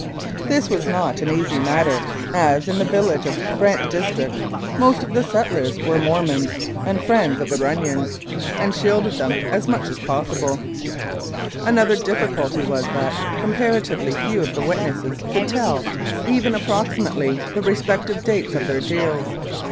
This was not an easy matter, as in the village of Brant district most of the settlers were Mormons and friends of the Runnions, and shielded them as much as 294 Humours and Uncertainties of the Law possible. Another difficulty was that comparatively few of the witnesses could tell, even approximately the re spective dates of their deals.